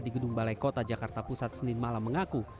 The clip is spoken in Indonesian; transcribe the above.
di gedung balai kota jakarta pusat senin malam mengaku